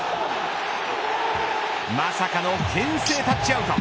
まさかのけん制タッチアウト。